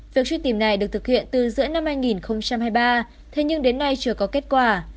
việc truy tìm này được thực hiện từ giữa năm hai nghìn hai mươi ba thế nhưng đến nay chưa có kết quả